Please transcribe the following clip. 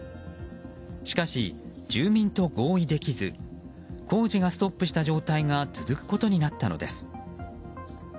しかし住民と合意できず工事がストップした状態が続くことになったのです。